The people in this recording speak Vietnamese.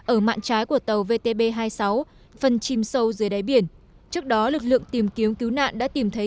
ở mạng trái của tàu vtb hai mươi sáu phần chìm sâu dưới đáy biển trước đó lực lượng tìm kiếm cứu nạn đã tìm thấy